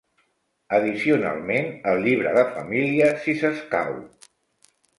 Addicionalment, el llibre de família si s'escau.